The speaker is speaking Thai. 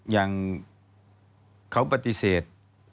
อย่างเขาปฏิเสธ